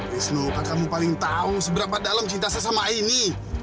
wisnu kan kamu paling tahu seberapa dalam cinta saya sama aini